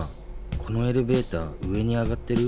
このエレベーター上に上がってる？